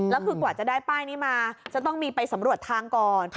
แล้วคือกว่าจะได้ป้ายนี้มาจะต้องมีไปสำรวจทางก่อน